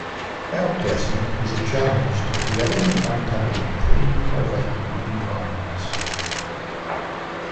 Outgassing is a challenge to creating and maintaining clean high-vacuum environments.